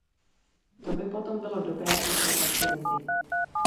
To by potom bylo dobré i pro pacienty.